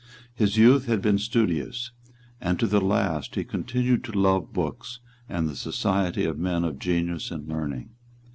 His youth had been studious; and to the last he continued to love books and the society of men of genius and learning.